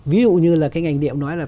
ví dụ như là cái ngành điện nói là